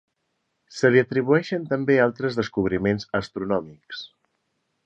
Se li atribueixen també altres descobriments astronòmics.